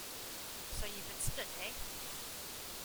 So you’ve been spilt, eh?